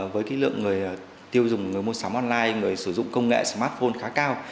với lượng người tiêu dùng người mua sắm online người sử dụng công nghệ smartphone khá cao